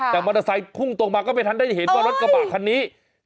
แต่มอเตอร์ไซคุ่งตรงมาก็ไม่ทันได้เห็นว่ารถกระบะคันนี้